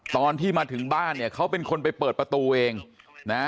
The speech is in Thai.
ตอนที่มาถึงบ้านเนี่ยเขาเป็นคนไปเปิดประตูเองนะ